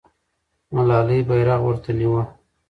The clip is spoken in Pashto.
ملالۍ بیرغ ورته نیوه.